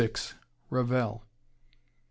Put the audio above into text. Revell.